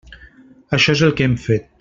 Això és el que hem fet.